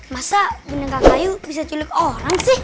masa boneka kayu bisa culik orang sih